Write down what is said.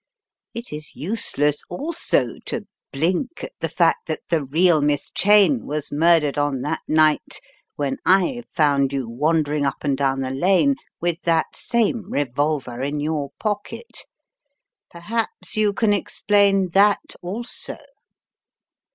It is useless also to blink at the fact that the real Miss Gheyne was murdered on that night when I found you wandering up and down the lane, with that same revolver in your pocket. Perhaps you can explain that also?"